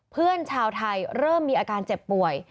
เพื่อนชาวไทยเริ่มมีอาการเจ็บป่วย